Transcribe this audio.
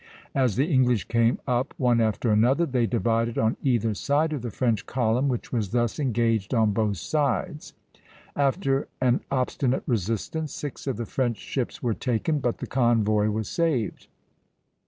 As the English came up one after another they divided on either side of the French column, which was thus engaged on both sides. After an obstinate resistance, six of the French ships were taken, but the convoy was saved.